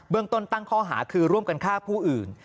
เบื้องต้นตั้งคอหาคือร่วมกันฆ่าผู้อื่น